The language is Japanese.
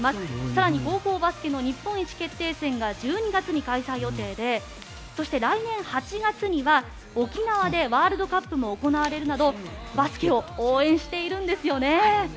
更に高校バスケの日本一決定戦が１２月に開催予定でそして、来年８月には沖縄でワールドカップも行われるなどバスケを応援しているんですよね。